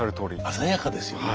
鮮やかですよね。